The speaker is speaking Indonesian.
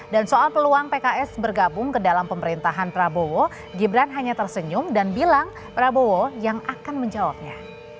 dan soal peluang pks bergabung ke dalam pemerintahan prabowo gibran hanya tersenyum dan bilang prabowo yang akan menjawabnya